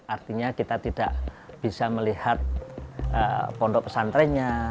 artinya kita tidak bisa melihat pondok pesantrennya